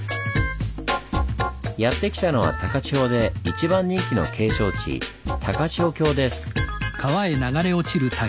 やって来たのは高千穂で一番人気の景勝地高千穂峡です。